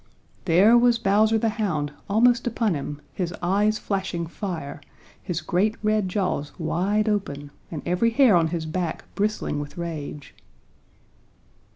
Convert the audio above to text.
There was Bowser the Hound almost upon him, his eyes flashing fire, his great, red jaws wide open, and every hair on his back bristling with rage.